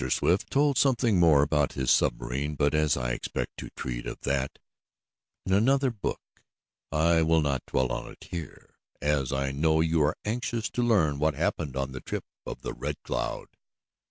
Swift told something more about his submarine, but, as I expect to treat of that in another book, I will not dwell on it here, as I know you are anxious to learn what happened on the trip of the Red Cloud.